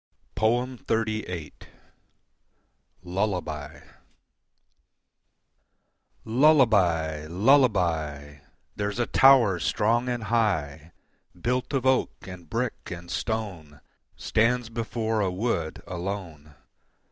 XXXVIII. Lullaby Lullaby! Lullaby! There's a tower strong and high Built of oak and brick and stone, Stands before a wood alone.